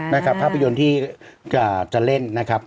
ภาพยนตร์ที่จะเล่นนะครับ